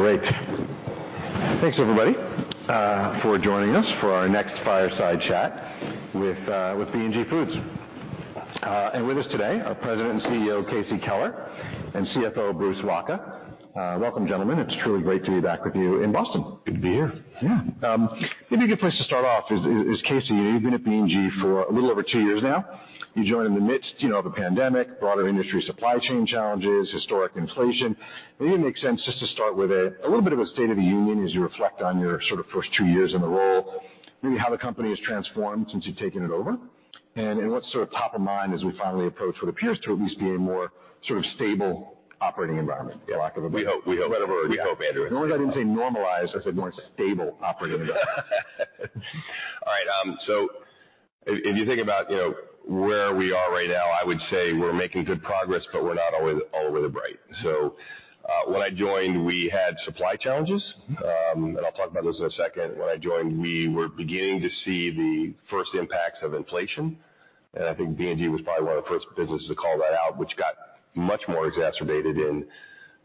Great. Thanks, everybody, for joining us for our next fireside chat with B&G Foods. And with us today, our President and CEO, Casey Keller, and CFO, Bruce Wacha. Welcome, gentlemen. It's truly great to be back with you in Boston. Good to be here. Yeah. Maybe a good place to start off is, Casey, you've been at B&G for a little over two years now. You joined in the midst, you know, of a pandemic, broader industry supply chain challenges, historic inflation. Maybe it makes sense just to start with a little bit of a state of the union as you reflect on your sort of first two years in the role, maybe how the company has transformed since you've taken it over, and what's sort of top of mind as we finally approach what appears to at least be a more sort of stable operating environment, for lack of a better. We hope. We hope. We hope, Andrew. Not only that, I didn't say normalized, I said more stable operating environment. All right, so if you think about, you know, where we are right now, I would say we're making good progress, but we're not out of the woods. So, when I joined, we had supply challenges, and I'll talk about this in a second. When I joined, we were beginning to see the first impacts of inflation, and I think B&G was probably one of the first businesses to call that out, which got much more exacerbated in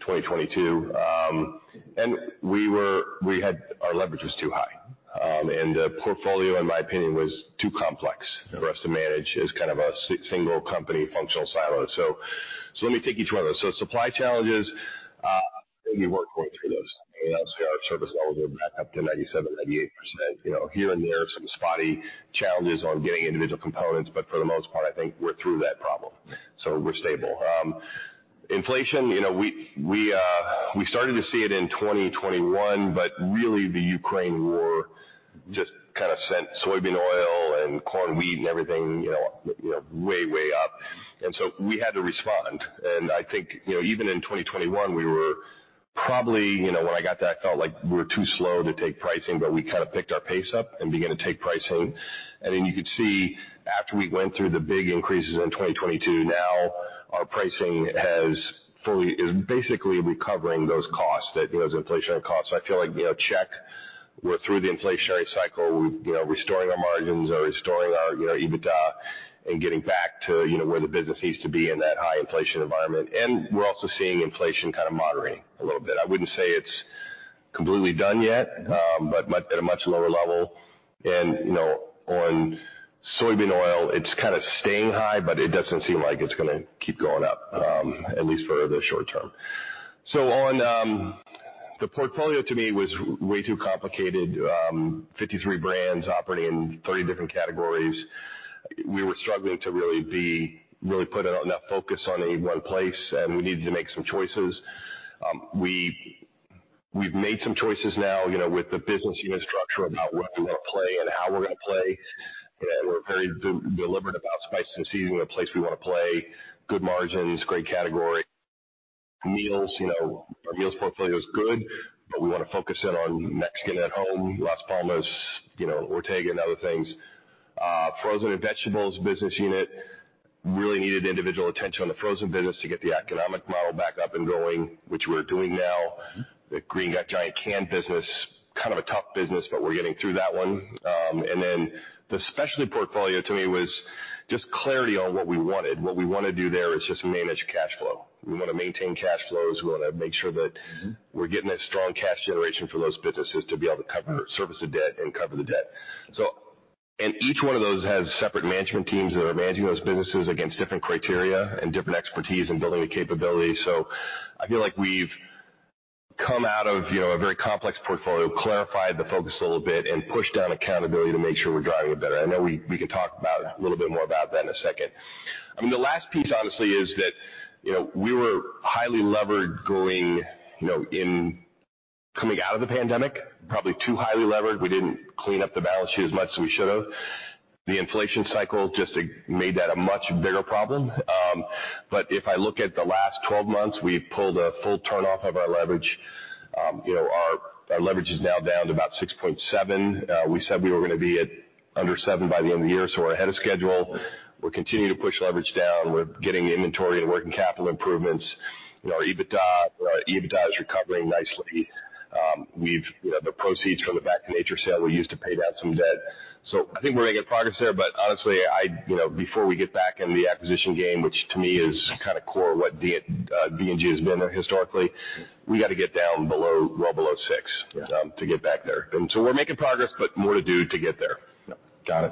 2022. And our leverage was too high. And the portfolio, in my opinion, was too complex for us to manage as kind of a single company functional silo. So let me take each one of those. So supply challenges, we worked through those, and that's our service level back up to 97%-98%. You know, here and there, some spotty challenges on getting individual components, but for the most part, I think we're through that problem, so we're stable. Inflation, you know, we started to see it in 2021, but really, the Ukraine war just kind of sent soybean oil and corn, wheat, and everything, you know, way, way up. And so we had to respond. And I think, you know, even in 2021, we were probably, you know, when I got there, I felt like we were too slow to take pricing, but we kinda picked our pace up and began to take pricing. And then you could see, after we went through the big increases in 2022, now our pricing has fully, is basically recovering those costs, that, you know, those inflationary costs. So I feel like, you know, check, we're through the inflationary cycle, we, you know, restoring our margins or restoring our, you know, EBITDA and getting back to, you know, where the business needs to be in that high inflation environment. And we're also seeing inflation kind of moderating a little bit. I wouldn't say it's completely done yet, but much, at a much lower level. And, you know, on soybean oil, it's kinda staying high, but it doesn't seem like it's gonna keep going up, at least for the short term. So on, the portfolio, to me, was way too complicated. 53 brands operating in 30 different categories. We were struggling to really really put enough focus on any one place, and we needed to make some choices. We've made some choices now, you know, with the business unit structure about what we want to play and how we're going to play. And we're very deliberate about spice and seasoning, a place we want to play. Good margins, great category. Meals, you know, our meals portfolio is good, but we want to focus in on Mexican at home, Las Palmas, you know, Ortega, and other things. Frozen and vegetables business unit really needed individual attention on the frozen business to get the economic model back up and going, which we're doing now. The Green Giant canned business, kind of a tough business, but we're getting through that one. And then the specialty portfolio to me was just clarity on what we wanted. What we want to do there is just manage cash flow. We want to maintain cash flows. We want to make sure that we're getting that strong cash generation for those businesses to be able to cover, service the debt and cover the debt. So. And each one of those has separate management teams that are managing those businesses against different criteria and different expertise and building the capability. So I feel like we've come out of, you know, a very complex portfolio, clarified the focus a little bit, and pushed down accountability to make sure we're driving it better. I know we can talk about a little bit more about that in a second. I mean, the last piece, honestly, is that, you know, we were highly levered going, you know, in, coming out of the pandemic, probably too highly levered. We didn't clean up the balance sheet as much as we should have. The inflation cycle just, it made that a much bigger problem. But if I look at the last 12 months, we've pulled a full turn off of our leverage. You know, our leverage is now down to about 6.7. We said we were gonna be at under seven by the end of the year, so we're ahead of schedule. We're continuing to push leverage down. We're getting inventory and working capital improvements. You know, our EBITDA is recovering nicely. We've, you know, the proceeds from the Back to Nature sale, we used to pay down some debt. So I think we're making progress there, but honestly, I, you know, before we get back in the acquisition game, which to me is kind of core what B&G has been historically, we got to get down below, well below six to get back there. And so we're making progress, but more to do to get there. Got it.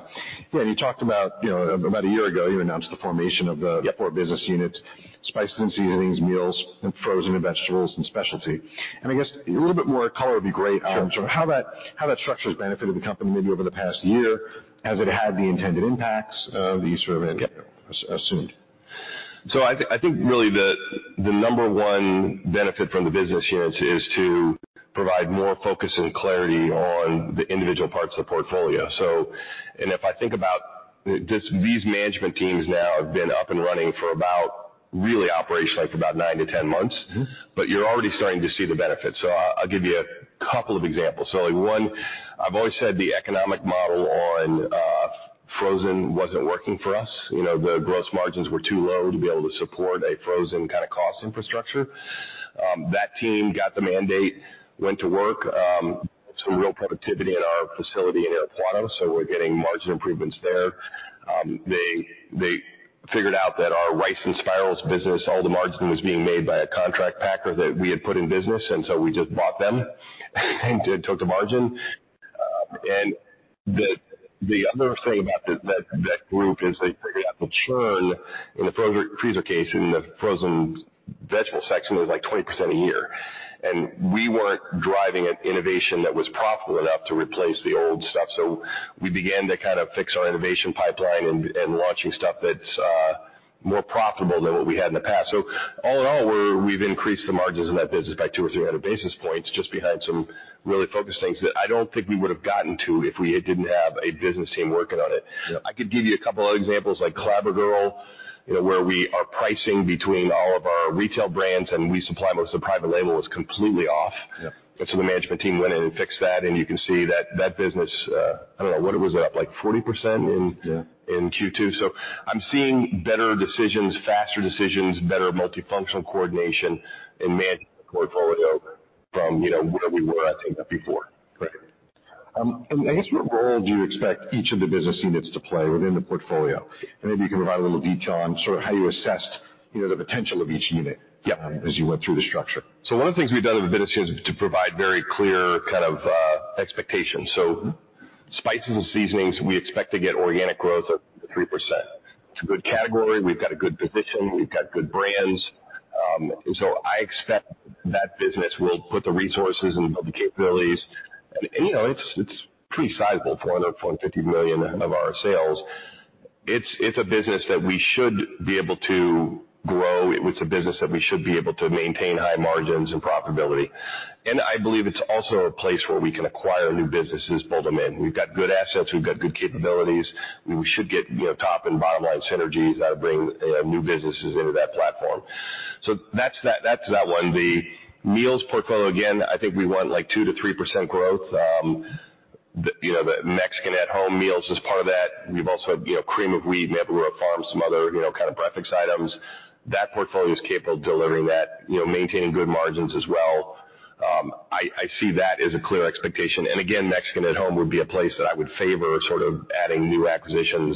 Yeah, and you talked about, you know, about a year ago, you announced the formation of the- Yep. four business units, spices and seasonings, meals, and frozen vegetables, and specialty. I guess a little bit more color would be great. Sure. So how that structure has benefited the company maybe over the past year? Has it had the intended impacts of these sort of assumed? So I think really the number one benefit from the business units is to provide more focus and clarity on the individual parts of the portfolio. And if I think about this, these management teams now have been up and running for about, really operationally, for about nine to 10 months. But you're already starting to see the benefits. So I'll give you a couple of examples. So one, I've always said the economic model on frozen wasn't working for us. You know, the gross margins were too low to be able to support a frozen kind of cost infrastructure. That team got the mandate, went to work, some real productivity in our facility in Irapuato, so we're getting margin improvements there. They figured out that our rice and spirals business, all the margin was being made by a contract packer that we had put in business, and so we just bought them and took the margin. And the other thing about that group is they figured out the churn in the frozen freeze occasion, in the frozen vegetable section was, like, 20% a year. And we weren't driving an innovation that was profitable enough to replace the old stuff. So we began to kind of fix our innovation pipeline and launching stuff that's more profitable than what we had in the past. So all in all, we've increased the margins in that business by 200-300 basis points, just behind some really focused things that I don't think we would have gotten to if we didn't have a business team working on it. I could give you a couple of other examples, like Clabber Girl, you know, where we are pricing between all of our retail brands, and we supply most of the private label was completely off. Yep. So the management team went in and fixed that, and you can see that that business, I don't know, what it was up like 40% in Q2. So I'm seeing better decisions, faster decisions, better multifunctional coordination and management portfolio from, you know, where we were, I think, before. Great. And I guess, what role do you expect each of the business units to play within the portfolio? Maybe you can provide a little detail on sort of how you assessed, you know, the potential of each unit as you went through the structure. So one of the things we've done as a business is to provide very clear kind of expectations. So spices and seasonings, we expect to get organic growth of 3%. It's a good category. We've got a good position. We've got good brands. I expect that business will put the resources and the capabilities. And, you know, it's pretty sizable, $450 million of our sales. It's a business that we should be able to grow. It's a business that we should be able to maintain high margins and profitability. And I believe it's also a place where we can acquire new businesses, pull them in. We've got good assets. We've got good capabilities. We should get, you know, top and bottom line synergies that bring new businesses into that platform. So that's that, that's that one. The meals portfolio, again, I think we want, like, 2%-3% growth. The, you know, the Mexican at Home Meals is part of that. We've also, you know, Cream of Wheat, Maple Grove Farms, some other, you know, kind of breakfast items. That portfolio is capable of delivering that, you know, maintaining good margins as well. I, I see that as a clear expectation. Again, Mexican at Home would be a place that I would favor sort of adding new acquisitions,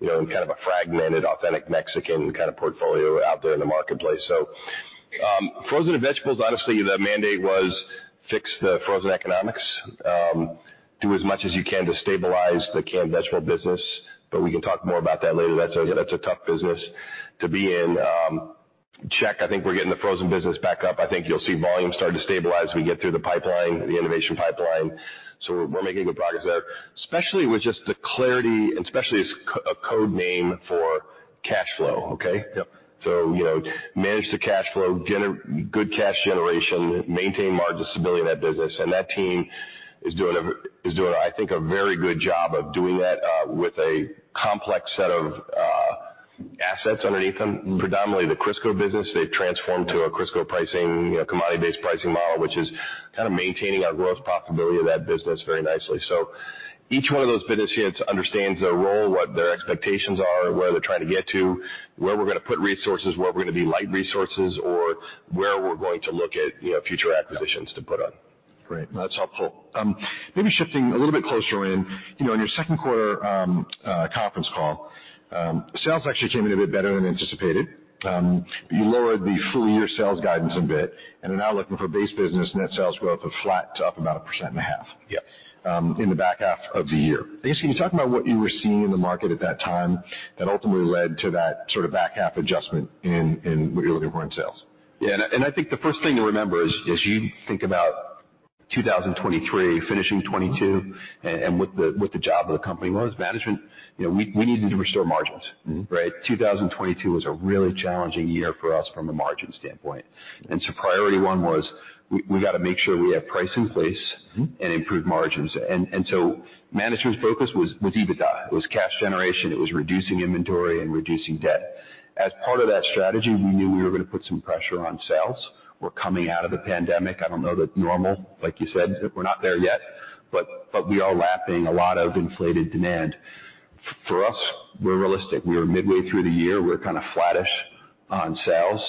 you know, in kind of a fragmented, authentic Mexican kind of portfolio out there in the marketplace. So, frozen vegetables, honestly, the mandate was fix the frozen economics. Do as much as you can to stabilize the canned vegetable business, but we can talk more about that later. That's a tough business to be in. I think we're getting the frozen business back up. I think you'll see volumes start to stabilize as we get through the pipeline, the innovation pipeline. So we're making good progress there, especially with just the clarity and especially as a code name for cash flow. Okay? Yep. So, you know, manage the cash flow, good cash generation, maintain margin stability in that business. And that team is doing, I think, a very good job of doing that with a complex set of assets underneath them. Predominantly the Crisco business. They've transformed to a Crisco pricing, commodity-based pricing model, which is kind of maintaining our gross profitability of that business very nicely. So each one of those business units understands their role, what their expectations are, where they're trying to get to, where we're gonna put resources, where we're gonna be light resources, or where we're going to look at, you know, future acquisitions to put on. Great. That's helpful. Maybe shifting a little bit closer in. You know, in your second quarter, conference call, sales actually came in a bit better than anticipated. You lowered the full year sales guidance a bit and are now looking for base business net sales growth of flat to up about 1.5% in the back half of the year. Can you talk about what you were seeing in the market at that time, that ultimately led to that sort of back half adjustment in what you're looking for in sales? Yeah, and I think the first thing to remember is, as you think about 2023, finishing 2022, and what the job of the company was, management, you know, we needed to restore margins. Right? 2022 was a really challenging year for us from a margin standpoint. And so priority one was we got to make sure we have price in place and improve margins. So management's focus was EBITDA. It was cash generation, it was reducing inventory and reducing debt. As part of that strategy, we knew we were gonna put some pressure on sales. We're coming out of the pandemic. I don't know the normal, like you said, we're not there yet, but we are lapping a lot of inflated demand. For us, we're realistic. We are midway through the year. We're kind of flattish on sales,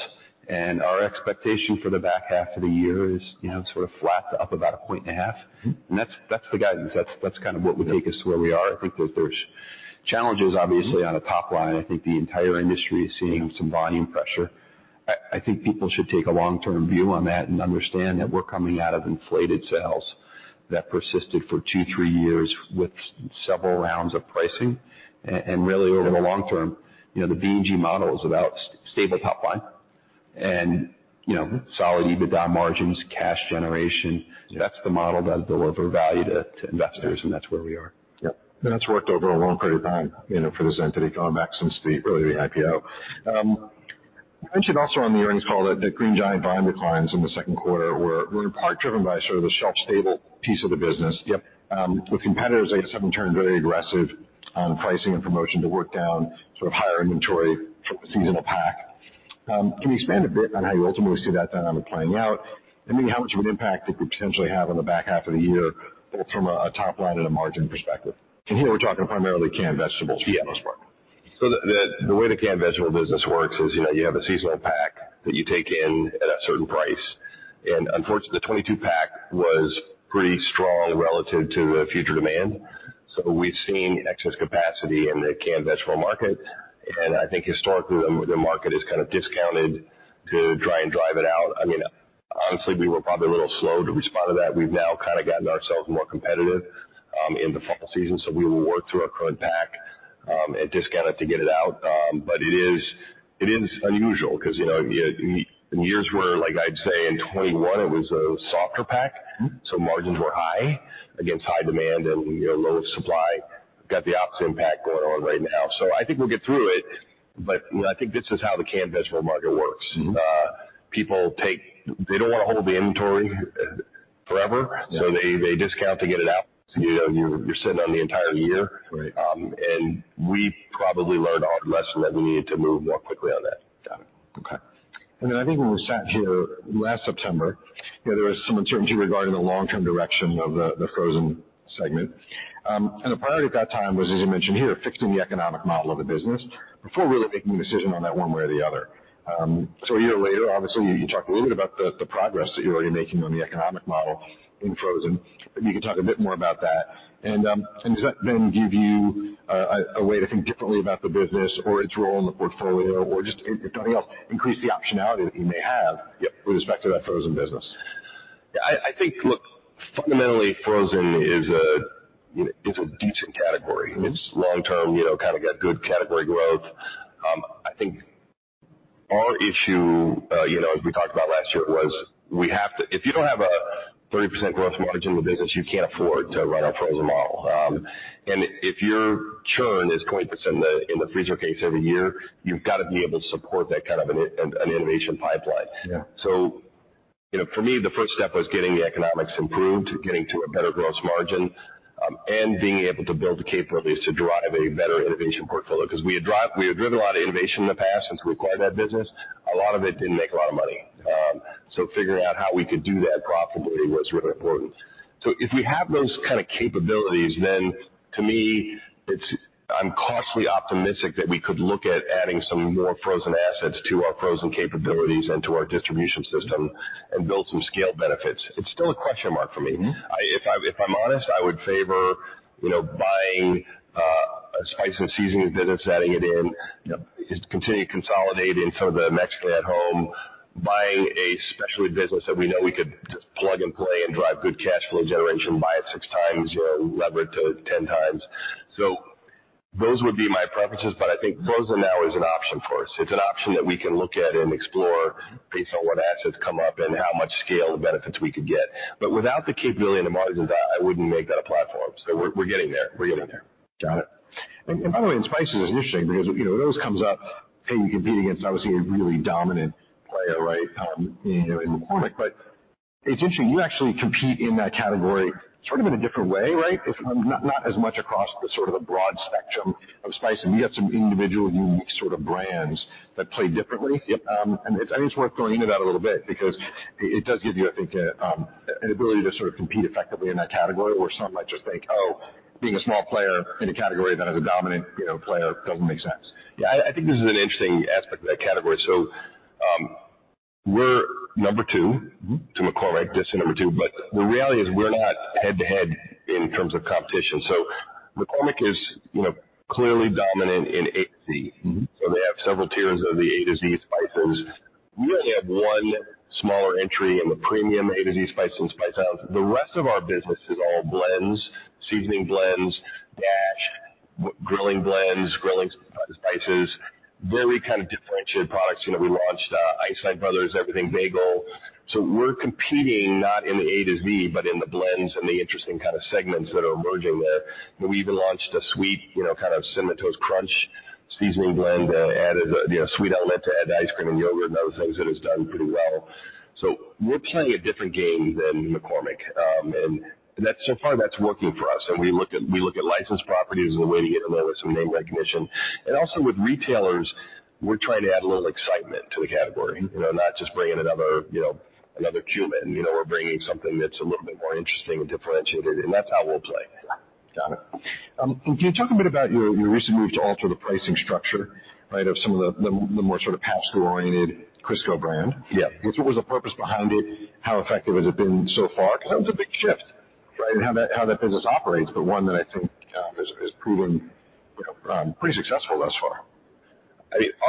and our expectation for the back half of the year is, you know, sort of flat to up about a point and a half. That's the guidance. That's kind of what would take us to where we are. I think there's, there's challenges, obviously on a top line. I think the entire industry is seeing some volume pressure. I think people should take a long-term view on that and understand that we're coming out of inflated sales that persisted for two to three years with several rounds of pricing. And really, over the long term, you know, the B&G model is about stable top line and, you know solid EBITDA margins, cash generation. Yeah. That's the model that deliver value to investors, and that's where we are. Yep, and that's worked over a long period of time, you know, for this entity, back since the early IPO. You mentioned also on the earnings call that the Green Giant volume declines in the second quarter were in part driven by sort of the shelf-stable piece of the business. Yep. With competitors, I guess, having turned very aggressive on pricing and promotion to work down sort of higher inventory seasonal pack. Can you expand a bit on how you ultimately see that dynamic playing out? I mean, how much of an impact it could potentially have on the back half of the year, both from a top line and a margin perspective? And here we're talking primarily canned vegetables. Yeah. For the most part. So the way the canned vegetable business works is, you know, you have a seasonal pack that you take in at a certain price. And unfortunately, the 2022 pack was pretty strong relative to the future demand. So we've seen excess capacity in the canned vegetable market, and I think historically, the market is kind of discounted to try and drive it out. I mean, honestly, we were probably a little slow to respond to that. We've now kind of gotten ourselves more competitive in the fall season, so we will work through our current pack and discount it to get it out. But it is unusual because, you know, in years where, like I'd say in 2021, it was a softer pack, so margins were high against high demand and, you know, low supply. Got the opposite impact going on right now. I think we'll get through it, but, you know, I think this is how the canned vegetable market works. People take - they don't want to hold the inventory forever - Yeah. so they discount to get it out. You know, you're sitting on the entire year. Right. And we probably learned a hard lesson that we needed to move more quickly on that. Got it. Okay. And then I think when we sat here last September, you know, there was some uncertainty regarding the long-term direction of the frozen segment. And the priority at that time was, as you mentioned here, fixing the economic model of the business before really making a decision on that, one way or the other. So a year later, obviously, you talked a little bit about the progress that you're already making on the economic model in frozen, but you can talk a bit more about that. And does that then give you a way to think differently about the business or its role in the portfolio or just if nothing else, increase the optionality that you may have with respect to that frozen business? Yeah, I think, look, fundamentally, frozen is a, you know, is a decent category. It's long-term, you know, kind of got good category growth. I think our issue, you know, as we talked about last year, was we have to. If you don't have a 30% gross margin in the business, you can't afford to run our frozen model. And if your churn is 20% in the freezer case every year, you've got to be able to support that kind of an innovation pipeline. Yeah. So, you know, for me, the first step was getting the economics improved, getting to a better gross margin, and being able to build the capabilities to drive a better innovation portfolio. 'Cause we had driven a lot of innovation in the past since we acquired that business. A lot of it didn't make a lot of money. So figuring out how we could do that profitably was really important. So if we have those kind of capabilities, then to me, it's... I'm cautiously optimistic that we could look at adding some more frozen assets to our frozen capabilities and to our distribution system and build some scale benefits. It's still a question mark for me. If I'm honest, I would favor, you know, buying a spice and seasoning business, adding it in, just continue consolidating some of the Mexican at Home, buying a specialty business that we know we could just plug and play and drive good cash flow generation, buy it 6x or lever it to 10x. So those would be my preferences, but I think frozen now is an option for us. It's an option that we can look at and explore based on what assets come up and how much scale the benefits we could get. But without the capability and the margins, I, I wouldn't make that a platform. So we're, we're getting there. We're getting there. Got it. And by the way, and spices is interesting because, you know, it always comes up, hey, you compete against, obviously, a really dominant player, right? You know, in McCormick, but it's interesting, you actually compete in that category sort of in a different way, right? Yes. Not, not as much across the sort of the broad spectrum of spices. You got some individual, unique sort of brands that play differently. Yep. It's, I think, worth going into that a little bit because it does give you, I think, an ability to sort of compete effectively in that category, where some might just think, oh, being a small player in a category that has a dominant, you know, player doesn't make sense. Yeah, I think this is an interesting aspect of that category. So, we're number two to McCormick, distant number two, but the reality is we're not head-to-head in terms of competition. So McCormick is, you know, clearly dominant in A-Z. So they have several tiers of the A-to-Z spices. We only have one smaller entry in the premium A-to-Z spices and Spice Islands. The rest of our business is all blends, seasoning blends, Dash, grilling blends, grilling spices, very kind of differentiated products. You know, we launched Einstein Bros. Everything Bagel. So we're competing not in the A-to-Z, but in the blends and the interesting kind of segments that are emerging there. And we even launched a sweet, you know, kind of Cinnamon Toast Crunch seasoning blend, added a, you know, sweet outlet to add to ice cream and yogurt and other things that has done pretty well. So we're playing a different game than McCormick, and that's. So far, that's working for us. We look at licensed properties as a way to get a little bit some name recognition. And also with retailers, we're trying to add a little excitement to the category, you know, not just bringing another, you know, another cumin. You know, we're bringing something that's a little bit more interesting and differentiated, and that's how we'll play. Got it. Can you talk a bit about your, your recent move to alter the pricing structure, right? Of some of the, the more sort of past school-oriented Crisco brand. Yeah. What was the purpose behind it? How effective has it been so far? Because that was a big shift, right? And how that business operates, but one that I think has proven, you know, pretty successful thus far.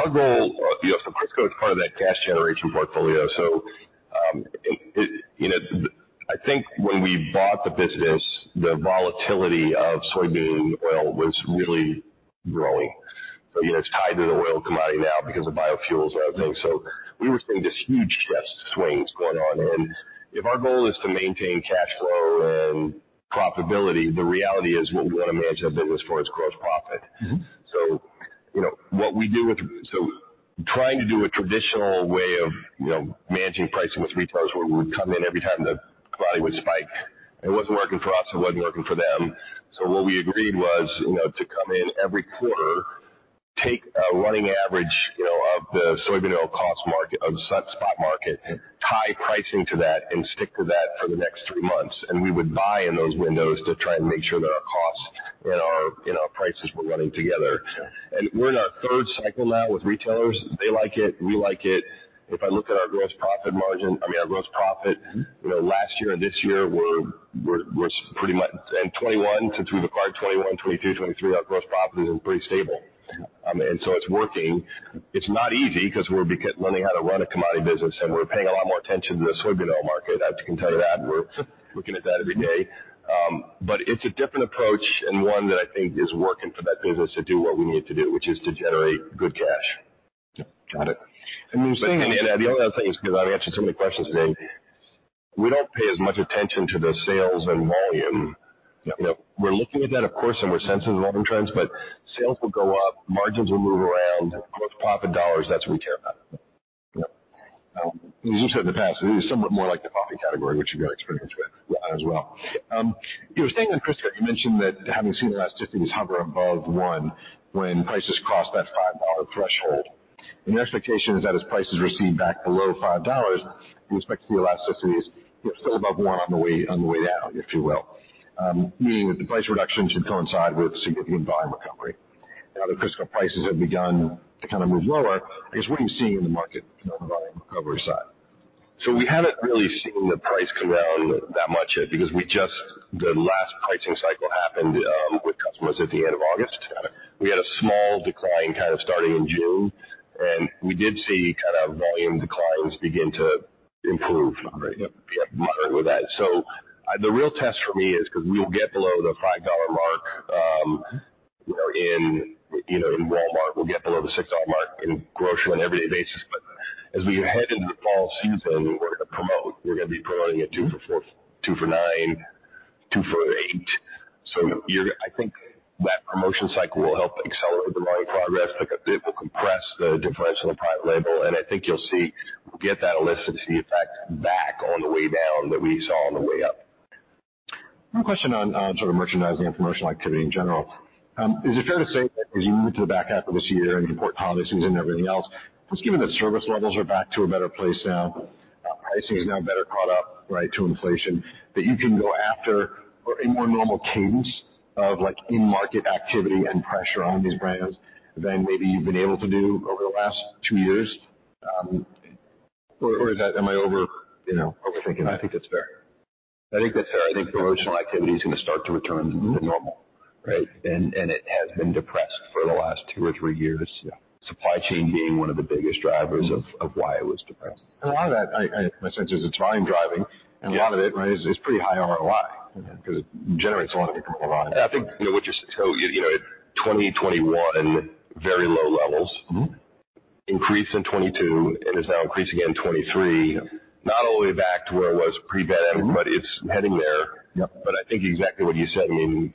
Our goal, you know, so Crisco is part of that cash generation portfolio. So, it, you know, I think when we bought the business, the volatility of soybean oil was really growing. You know, it's tied to the oil commodity now because of biofuels and everything. We were seeing just huge shifts, swings going on. If our goal is to maintain cash flow and profitability, the reality is we want to manage that business for its gross profit. So, you know, trying to do a traditional way of, you know, managing pricing with retailers, where we would come in every time the commodity would spike, it wasn't working for us, it wasn't working for them. So what we agreed was, you know, to come in every quarter, take a running average, you know, of the soybean oil cost market, of the spot market, and tie pricing to that and stick with that for the next three months. And we would buy in those windows to try and make sure that our costs in our prices, we're running together. And we're in our third cycle now with retailers. They like it, we like it. If I look at our gross profit margin, I mean, our gross profit, you know, last year and this year, we're pretty much and 2021, since we've acquired 2021, 2022, 2023, our gross profit has been pretty stable. And so it's working. It's not easy because we're learning how to run a commodity business, and we're paying a lot more attention to the soybean oil market. I can tell you that we're looking at that every day. But it's a different approach and one that I think is working for that business to do what we need it to do, which is to generate good cash. Yep, got it. And you're saying? The other thing is, because I've answered so many questions today, we don't pay as much attention to the sales and volume. You know, we're looking at that, of course, and we're sensing the volume trends, but sales will go up, margins will move around. Gross profit dollars, that's what we care about. Yep. As you said in the past, it is somewhat more like the coffee category, which you've got experience with as well. You were staying on Crisco, you mentioned that having seen the elasticities hover above one when prices crossed that $5 threshold. The expectation is that as prices recede back below $5, we expect to see elasticities still above one on the way, on the way down, if you will. Meaning that the price reduction should coincide with significant volume recovery. Now that Crisco prices have begun to kind of move lower, I guess, what are you seeing in the market on the volume recovery side? We haven't really seen the price come down that much yet because we just, the last pricing cycle happened with customers at the end of August. Got it. We had a small decline kind of starting in June, and we did see kind of volume declines begin to improve. Right. Yep. Yep, moderate with that. So the real test for me is because we'll get below the $5 mark, you know, in, you know, in Walmart, we'll get below the $6 mark in grocery on an everyday basis. But as we head into the fall season, we're gonna promote. We're gonna be promoting a two for $4, two for $9, two for $8. So you're, I think that promotion cycle will help accelerate the volume progress. Like, it will compress the differential private label, and I think you'll see, we'll get that elasticity effect back on the way down that we saw on the way up. One question on, sort of merchandising and promotional activity in general. Is it fair to say that as you move to the back half of this year and the port holiday season and everything else, just given that service levels are back to a better place now, pricing is now better caught up, right, to inflation, that you can go after a more normal cadence of like, in-market activity and pressure on these brands than maybe you've been able to do over the last two years? Or, or is that, am I over, you know, overthinking? I think it's fair. I think that's fair. I think promotional activity is gonna start to return to normal, right? It has been depressed for the last two or three years. Yeah. Supply chain being one of the biggest drivers of why it was depressed. A lot of that, my sense is it's volume driving. Yeah. And a lot of it, right, is pretty high ROI because it generates a lot of economic ROI. So, you know, 2021, very low levels. Increased in 2022 and is now increasing in 2023. Yep. Not all the way back to where it was pre-pandemic but it's heading there. Yep. I think exactly what you said. I mean,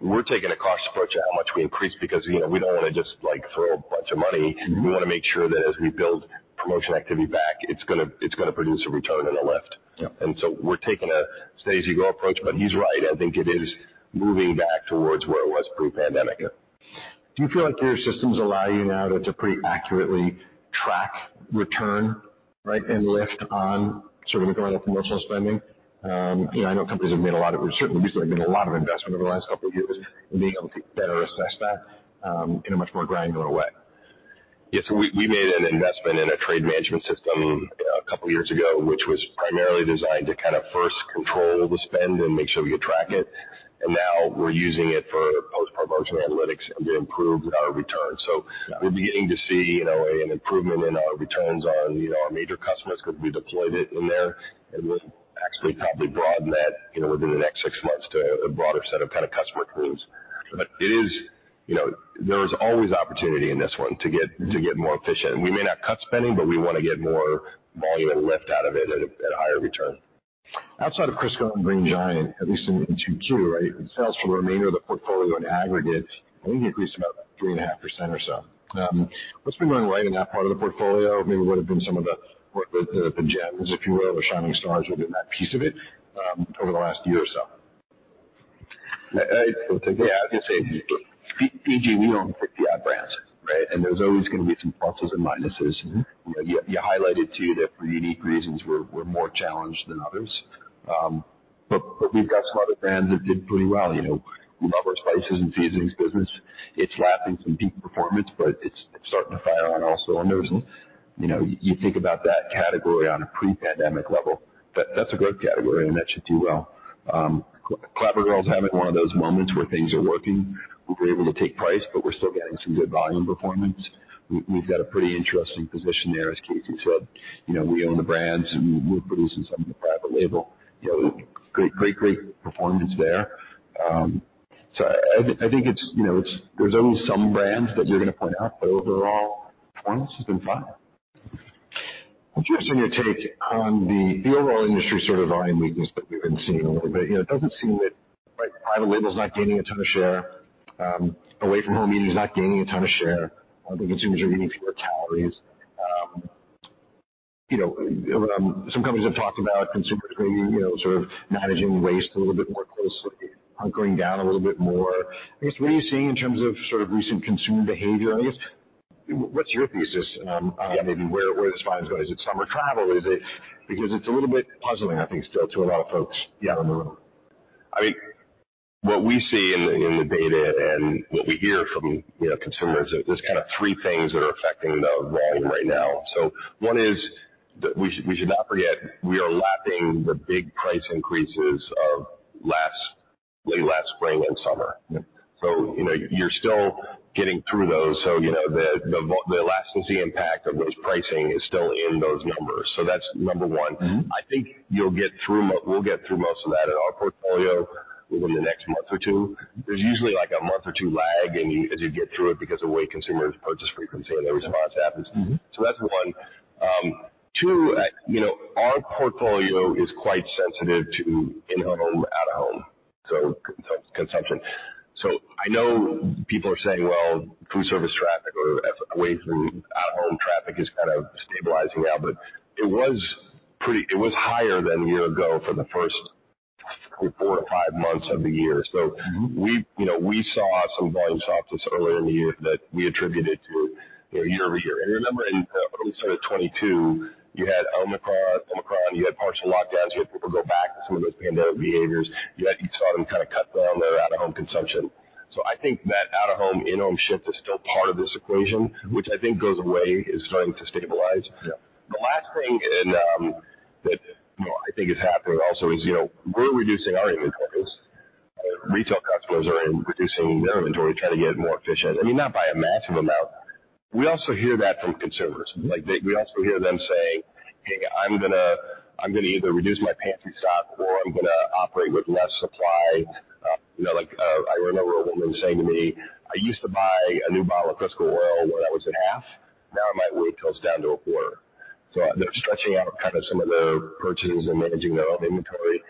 we're taking a cautious approach to how much we increase because, you know, we don't wanna just, like, throw a bunch of money. We wanna make sure that as we build promotion activity back, it's gonna, it's gonna produce a return on the lift. Yep. And so we're taking a steady, as you go approach, but he's right. I think it is moving back towards where it was pre-pandemic. Yeah. Do you feel like your systems allow you now to pretty accurately track return, right, and lift on sort of going up promotional spending? You know, I know companies have certainly recently made a lot of investment over the last couple of years in being able to better assess that in a much more granular way. Yes, so we made an investment in a trade management system a couple of years ago, which was primarily designed to kind of first control the spend and make sure we could track it. Got it. Now we're using it for post-promotional analytics to improve our return. Got it. We're beginning to see an improvement in our returns on, you know, our major customers because we deployed it in there. We'll actually probably broaden that, you know, within the next six months to a broader set of kind of customer crews. Got it. It is, you know, there is always opportunity in this one to get, to get more efficient. We may not cut spending, but we wanna get more volume and lift out of it at higher return. Outside of Crisco and Green Giant, at least in 2Q, right, sales for the remainder of the portfolio in aggregate, I think, increased about 3.5% or so. What's been going right in that part of the portfolio? Maybe what have been some of the gems, if you will, the shining stars within that piece of it, over the last year or so? Yeah, I'd just say, B&G, we own 50-odd brands, right? And there's always gonna be some pluses and minuses. You highlighted, too, that for unique reasons, we're more challenged than others. But we've got some other brands that did pretty well. You know, we love our spices and seasonings business. It's lapping some peak performance, but it's starting to fire on all cylinders. You know, you think about that category on a pre-pandemic level, that, that's a great category, and that should do well. Clabber Girl is having one of those moments where things are working. We're able to take price, but we're still getting some good volume performance. We've got a pretty interesting position there, as Casey said. You know, we own the brands, and we're producing some of the private label, you know, great, great, great performance there. So I think it's, you know, it's, there's only some brands that you're gonna point out, but overall, performance has been fine. I'm curious on your take on the overall industry sort of volume weakness that we've been seeing a little bit. You know, it doesn't seem that, like, private label is not gaining a ton of share, away from home eating is not gaining a ton of share. I think consumers are eating fewer calories. You know, some companies have talked about consumers maybe, you know, sort of managing waste a little bit more closely, hunkering down a little bit more. I guess, what are you seeing in terms of sort of recent consumer behavior, I guess? What's your thesis on maybe where, where this volume is going? Is it summer travel? Is it - Because it's a little bit puzzling, I think, still, to a lot of folks out on the road. I mean, what we see in the data and what we hear from, you know, consumers, there's kind of three things that are affecting the volume right now. So one is that we should not forget, we are lapping the big price increases of late last spring and summer. Yep. So, you know, you're still getting through those. So, you know, the elasticity impact of those pricing is still in those numbers. So that's number one. I think we'll get through most of that in our portfolio within the next month or two. There's usually, like, a month or two lag, and as you get through it, because the way consumers purchase frequency and their response happens. So that's one. Two, you know, our portfolio is quite sensitive to in-home, out-of-home, so consumption. So I know people are saying, well, food service traffic or away from out-of-home traffic is kind of stabilizing out, but it was pretty. It was higher than a year ago for the first four to five months of the year. So we, you know, we saw some volume softness earlier in the year that we attributed to, you know, year over year. And remember, in early 2022, you had Omicron, and you had partial lockdowns. You had people go back to some of those pandemic behaviors, yet you saw them kind of cut down their out-of-home consumption. So I think that out-of-home, in-home shift is still part of this equation, which I think goes away, is starting to stabilize. Yeah. The last thing and, that, you know, I think is happening also is, you know, we're reducing our inventories. Retail customers are reducing their inventory, trying to get more efficient. I mean, not by a massive amount. We also hear that from consumers. Like, they—we also hear them saying, "Hey, I'm gonna, I'm gonna either reduce my pantry stock or I'm gonna operate with less supply." You know, like, I remember a woman saying to me, "I used to buy a new bottle of Crisco oil when I was in half. Now I might wait till it's down to a quarter." So they're stretching out kind of some of their purchases and managing their own inventory.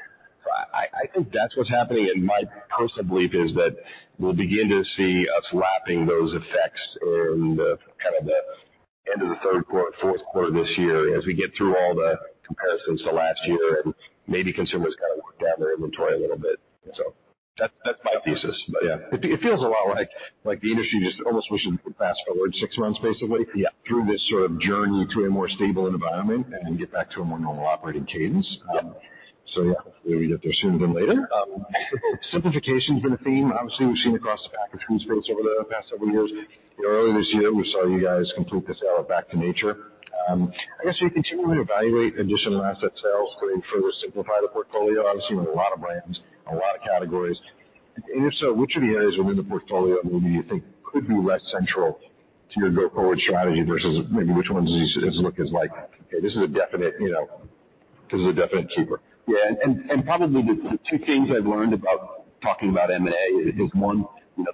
So I think that's what's happening, and my personal belief is that we'll begin to see us lapping those effects in the kind of the end of the third quarter, fourth quarter this year as we get through all the comparisons to last year, and maybe consumers kind of work down their inventory a little bit. So that's my thesis. Yeah. It feels a lot like, like the industry just almost wishing to fast forward six months, basically- Yeah. through this sort of journey to a more stable environment and get back to a more normal operating cadence. Yeah. So yeah, hopefully, we get there sooner than later. Simplification has been a theme. Obviously, we've seen across the packaged foods for us over the past several years. You know, earlier this year, we saw you guys complete the sale of Back to Nature. I guess, are you continuing to evaluate additional asset sales to further simplify the portfolio? Obviously, you have a lot of brands, a lot of categories. And if so, which of the areas within the portfolio maybe you think could be less central to your go-forward strategy versus maybe which ones you look as like, hey, this is a definite, you know, this is a definite keeper? Yeah, and probably the two things I've learned about talking about M&A is, one, you know,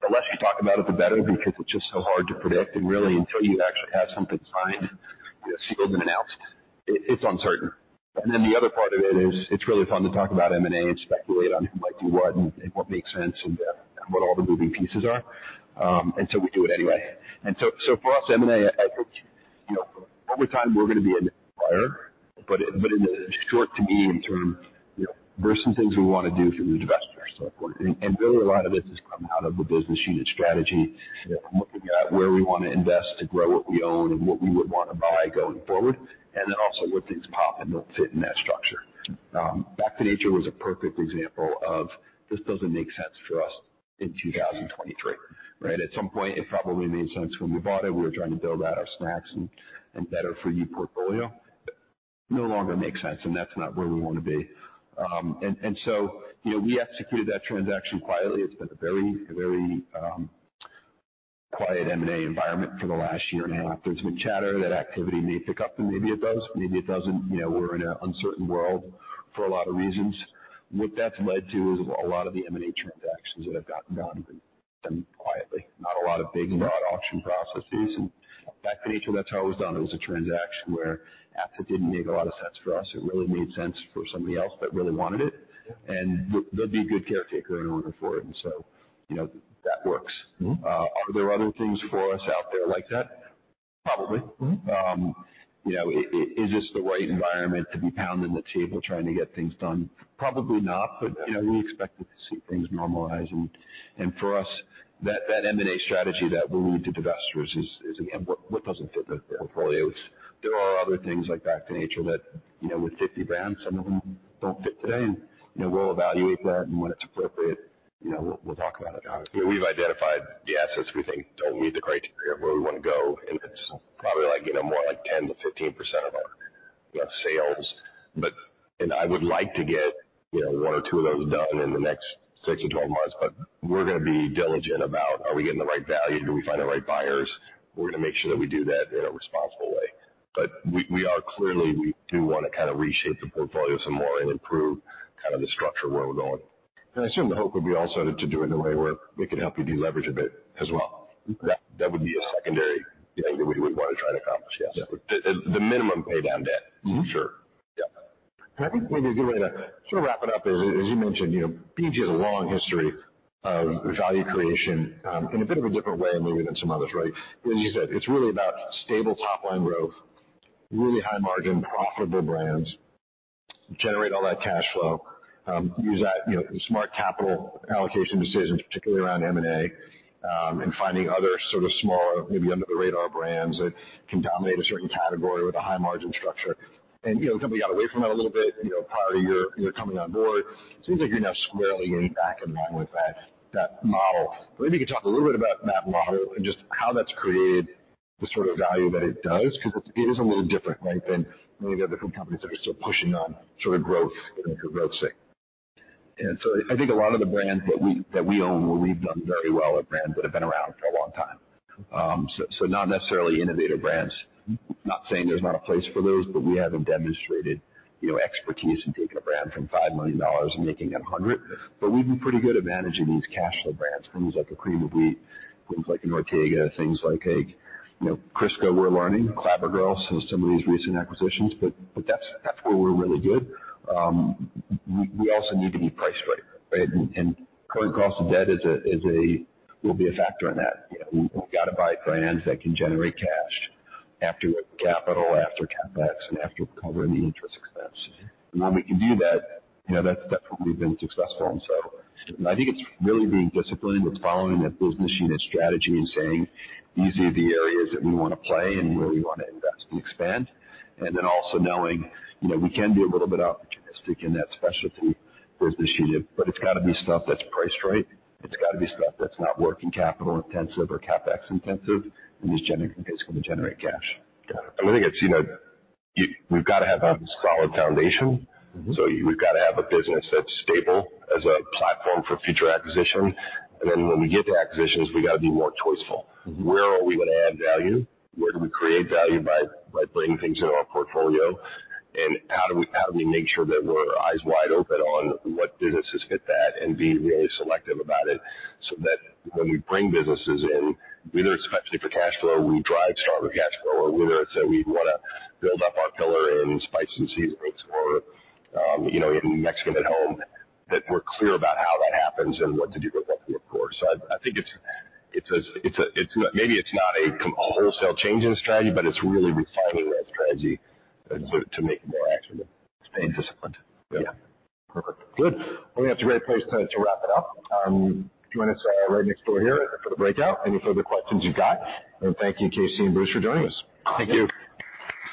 the less you talk about it, the better, because it's just so hard to predict. And really, until you actually have something signed and announced, it's uncertain. And then the other part of it is, it's really fun to talk about M&A and speculate on who might do what and what makes sense and what all the moving pieces are. And so we do it anyway. And so for us, M&A, I think, you know, over time, we're going to be a buyer, but in the short to medium term, you know, there are some things we want to do through investors going forward. Really, a lot of this is coming out of the business unit strategy, looking at where we want to invest, to grow what we own and what we would want to buy going forward, and then also where things pop and don't fit in that structure. Back to Nature was a perfect example of this doesn't make sense for us in 2023, right? At some point, it probably made sense when we bought it. We were trying to build out our snacks and better-for-you portfolio. No longer makes sense, and that's not where we want to be. So, you know, we executed that transaction quietly. It's been a very, very quiet M&A environment for the last year and a half. There's been chatter that activity may pick up, and maybe it does, maybe it doesn't. You know, we're in an uncertain world for a lot of reasons. What that's led to is a lot of the M&A transactions that have gotten done quietly, not a lot of big, broad auction processes. Back to Nature, that's how it was done. It was a transaction where asset didn't make a lot of sense for us. It really made sense for somebody else that really wanted it, and they'd be a good caretaker in order for it. And so, you know, that works. Are there other things for us out there like that? Probably. You know, is this the right environment to be pounding the table, trying to get things done? Probably not. But, you know, we expect to see things normalize. And for us, that M&A strategy that we'll lead to investors is what doesn't fit the portfolios. There are other things like Back to Nature that, you know, with 50 brands, some of them don't fit today. And, you know, we'll evaluate that, and when it's appropriate, you know, we'll talk about it. We've identified the assets we think don't meet the criteria of where we want to go, and it's probably like, you know, more like 10%-15% of our sales. But and I would like to get, you know, one or two of those done in the next six or 12 months, but we're gonna be diligent about, are we getting the right value? Do we find the right buyers? We're gonna make sure that we do that in a responsible way. But we, we are clearly, we do want to kind of reshape the portfolio some more and improve kind of the structure where we're going. And I assume the hope would be also to do it in a way where we could help you deleverage a bit as well. That would be a secondary thing that we would want to try to accomplish, yes. The minimum pay down debt. Sure. Yeah. I think maybe a good way to sort of wrap it up is, as you mentioned, you know, PG has a long history of value creation, in a bit of a different way maybe than some others, right? As you said, it's really about stable top-line growth, really high margin, profitable brands generate all that cash flow, use that, you know, smart capital allocation decisions, particularly around M&A, and finding other sort of smaller, maybe under-the-radar brands that can dominate a certain category with a high margin structure. And, you know, the company got away from that a little bit, you know, prior to your coming on board. It seems like you're now squarely aimed back in that, with that model. Maybe you could talk a little bit about that model and just how that's created the sort of value that it does, because it, it is a little different, right, than many of the other food companies that are still pushing on sort of growth, you know, growth thing. I think a lot of the brands that we own, where we've done very well are brands that have been around for a long time. So, not necessarily innovative brands. Not saying there's not a place for those, but we haven't demonstrated, you know, expertise in taking a brand from $5 million and making it $100 million. But we've been pretty good at managing these cash flow brands, things like a Cream of Wheat, things like an Ortega, things like a, you know, Crisco, we're learning. Clabber Girl, so some of these recent acquisitions, but, that's where we're really good. We also need to be priced right, right? And current cost of debt will be a factor in that. You know, we've got to buy brands that can generate cash after capital, after CapEx, and after covering the interest expense. And when we can do that, you know, that's, that's what we've been successful in selling. And I think it's really being disciplined with following that business unit strategy and saying, "These are the areas that we want to play and where we want to invest and expand." And then also knowing, you know, we can be a little bit opportunistic in that specialty business unit, but it's got to be stuff that's priced right. It's got to be stuff that's not working capital intensive or CapEx intensive, and is, it's going to generate cash. Got it. I think it's, you know, we've got to have a solid foundation. We've got to have a business that's stable as a platform for future acquisition. Then when we get to acquisitions, we've got to be more choiceful. Where are we going to add value? Where do we create value by bringing things into our portfolio? And how do we make sure that we're eyes wide open on what businesses fit that and being really selective about it, so that when we bring businesses in, whether it's effectively for cash flow, we drive stronger cash flow, or whether it's that we want to build up our pillar in spices and seasonings or, you know, in Mexican at home, that we're clear about how that happens and what the different look will be, of course. So I think maybe it's not a com- a wholesale change in strategy, but it's really refining that strategy, to make it more actionable. Stay disciplined. Yeah. Perfect. Good. Well, that's a great place to wrap it up. Join us right next door here for the breakout, any further questions you've got. And thank you, Casey and Bruce, for joining us. Thank you.